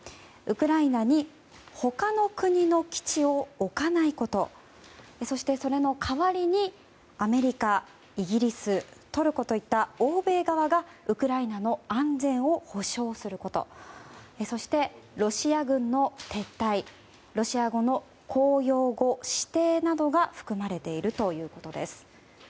ウクライナに他の国の基地を置かないことそして、その代わりにアメリカ、イギリストルコといった欧米側がウクライナの安全を保障することそしてロシア軍の撤退ロシア語の公用語指定などが含まれているということです。